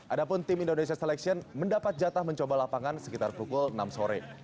adapun tim indonesia selection mendapat jatah mencoba lapangan sekitar pukul enam sore